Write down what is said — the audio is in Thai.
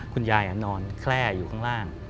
คุณยายนอนแคล่อยู่ข้างล่าง